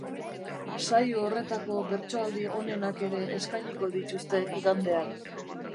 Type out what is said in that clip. Saio horretako bertsoaldi onenak ere eskainiko dituzte igandean.